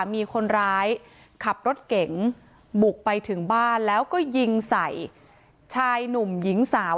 มีคนร้ายขับรถเก๋งบุกไปถึงบ้านแล้วก็ยิงใส่ชายหนุ่มหญิงสาว